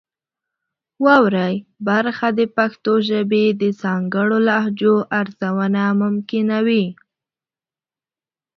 واورئ برخه د پښتو ژبې د ځانګړو لهجو ارزونه ممکنوي.